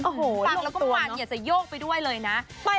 โอ้โหลงตัวเนอะปากแล้วก็มันหวานอยากจะโยกไปด้วยเลยนะ